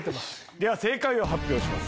では正解を発表します。